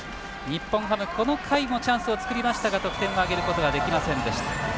日本ハム、この回もチャンスを作りましたが得点を挙げることができませんでした。